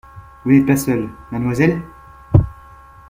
Vous n’êtes pas seule, Mademoiselle ?